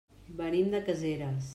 Venim de Caseres.